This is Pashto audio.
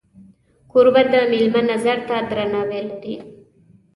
کوربه د میلمه نظر ته درناوی لري.